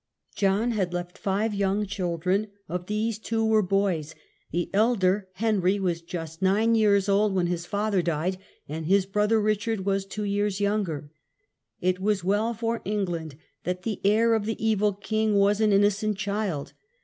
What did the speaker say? John had left five young children; of these two were boys. The elder, Henry, was just nine years old when his father died, and his brother Richard was two years younger. It was well for England that the heir of the evil king was an innocent child.